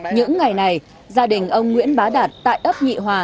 những ngày này gia đình ông nguyễn bá đạt tại ấp nhị hòa